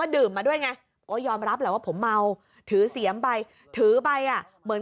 ดื่มมาด้วยไงก็ยอมรับแหละว่าผมเมาถือเสียมไปถือไปอ่ะเหมือน